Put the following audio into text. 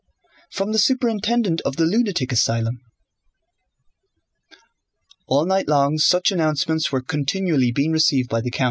from the superintendent of the lunatic asylum..." All night long such announcements were continually being received by the count.